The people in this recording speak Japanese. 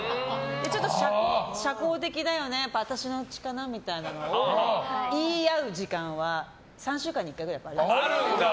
ちょっと社交的だよねやっぱ私の血かなみたいなのを言い合う時間は３週間に１回ぐらいはあります。